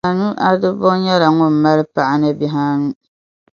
Manu-Adabor nyɛla ŋun mali paɣa ni bihi anu.